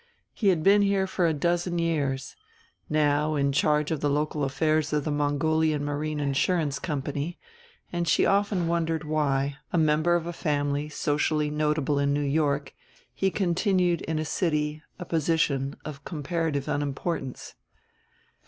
He had been here for a dozen years, now, in charge of the local affairs of the Mongolian Marine Insurance Company; and she often wondered why, a member of a family socially notable in New York, he continued in a city, a position, of comparative unimportance.